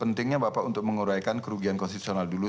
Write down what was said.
pentingnya bapak untuk menguraikan kerugian konstitusional dulu